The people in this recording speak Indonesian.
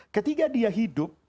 ketika dia hidup